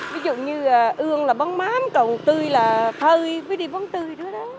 ví dụ như ương là bóng mắm còn tươi là thơi với đi bóng tươi nữa đó